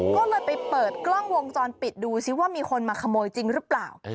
ก็เลยไปเปิดกล้องวงจรปิดดูซิว่ามีคนมาขโมยจริงหรือเปล่า